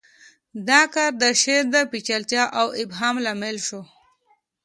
دا کار د شعر د پیچلتیا او ابهام لامل شو